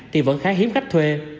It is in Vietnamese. thì vẫn khá hiếm khách thuê